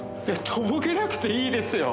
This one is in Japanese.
とぼけなくていいですよ。